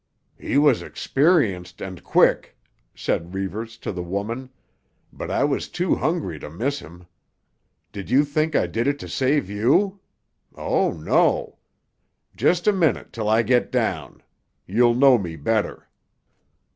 "He was experienced and quick," said Reivers to the woman, "but I was too hungry to miss him. Did you think I did it to save you? Oh, no! Just a minute, till I get down; you'll know me better."